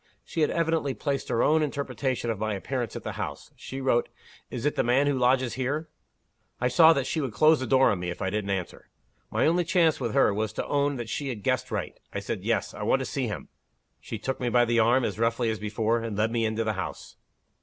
She had evidently placed her own interpretation of my appearance at the house. She wrote, 'Is it the man who lodges here?' I saw that she would close the door on me if I didn't answer. My only chance with her was to own that she had guessed right. I said 'Yes. I want to see him.' She took me by the arm, as roughly as before and led me into the house."